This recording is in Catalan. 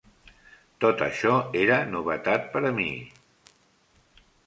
Tot això era novetat per a mi.